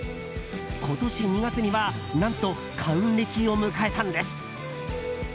今年２月には何と還暦を迎えたんです。